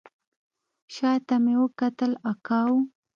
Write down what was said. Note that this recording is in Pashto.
شا ته مې وکتل اکا و.